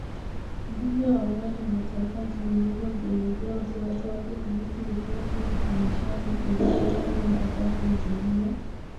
Ujumbe wa Umoja wa Mataifa nchini Libya ulielezea wasiwasi wake kuhusu ripoti ya uhamasishaji wa vikosi na harakati nchini humo .